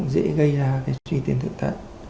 gây ra cái suy tiến thượng thận